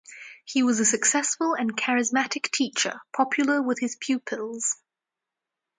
He was a successful and charismatic teacher, popular with his pupils.